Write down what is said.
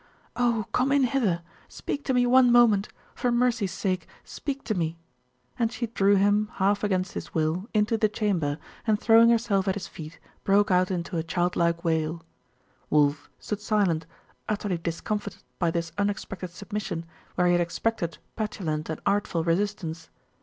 'Oh, come in hither! Speak to me one moment; for mercy's sake speak to me!' and she drew him, half against his will, into the chamber, and throwing herself at his feet, broke out into a childlike wail. Wulf stood silent, utterly discomfited by this unexpected submission, where he had expected petulant and artful resistance.